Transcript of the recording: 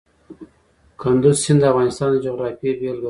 کندز سیند د افغانستان د جغرافیې بېلګه ده.